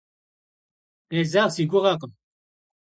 Къезэгъ си гугъэкъым.